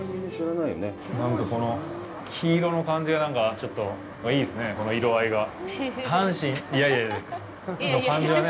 なんか、この黄色の感じがちょっといいですね、この色合いが。